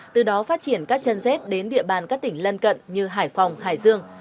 từ đó phát triển các chân dép đến địa bàn các tỉnh lân cận như hải phòng hải dương